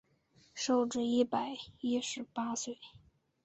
寿至一百一十八岁。